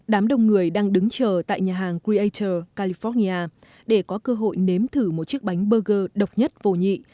đám đông người đang đứng chờ tại nhà hàng queator california để có cơ hội nếm thử một chiếc bánh burger độc nhất vô nhị